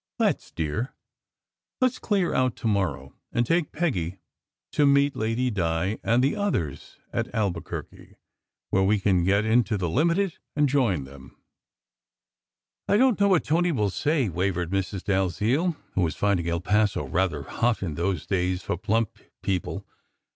Let s, dear f Let s clear out to morrow, and take Peggy to meet Lady Di and the others at Albuquerque, where we can get into the * Limited and join them." "I don t know what Tony will say!" wavered Mrs. Dalziel, who was finding El Paso rather hot in those days, for plump people.